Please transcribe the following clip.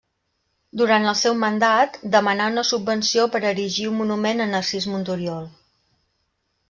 Durant el seu mandat demanà una subvenció per erigir un monument a Narcís Monturiol.